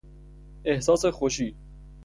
احساس خوشی